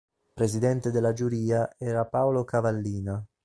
Presidente della giuria era Paolo Cavallina.